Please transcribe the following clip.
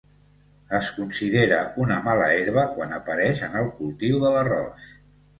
Es considera una mala herba quan apareix en el cultiu de l'arròs.